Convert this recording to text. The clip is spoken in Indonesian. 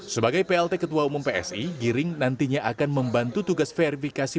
sebagai plt ketua umum psi giring nantinya akan membantu tugas verifikasi